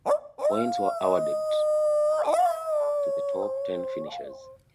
Points were awarded to the top ten finishers.